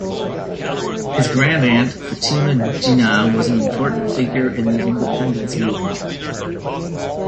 His grandaunt, Fatima Jinnah, was an important figure in the independence movement.